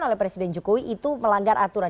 oleh presiden jokowi itu melanggar aturan